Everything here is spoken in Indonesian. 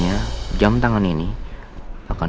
baik jangan nanti saya jalan